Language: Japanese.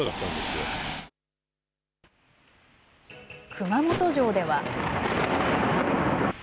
熊本城では。